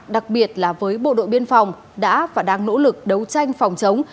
đặc biệt là với bộ đội biên phòng đã và đang nỗ lực đấu tranh phòng chống